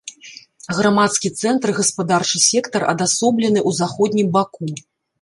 Грамадскі цэнтр і гаспадарчы сектар адасоблены ў заходнім баку.